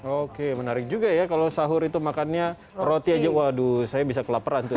oke menarik juga ya kalau sahur itu makannya roti aja waduh saya bisa kelaparan tuh